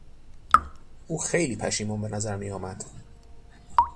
او خیلی پشیمان به نظر میآمد.